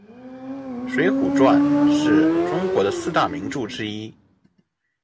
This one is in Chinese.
水浒传是中国的四大名著之一。